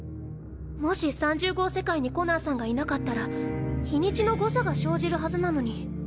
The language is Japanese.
もし３０号世界にコナーさんがいなかったら日にちの誤差が生じるはずなのに。